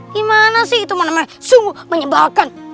gimana sih itu mana mana sungguh menyebalkan